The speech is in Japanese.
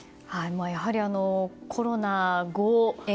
やはりコロナ後。